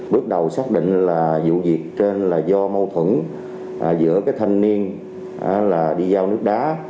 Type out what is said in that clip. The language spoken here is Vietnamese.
bước đầu xác định là vụ việc trên là do mâu thuẫn giữa thanh niên đi giao nước đá